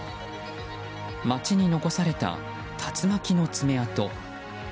街に残された竜巻の爪痕。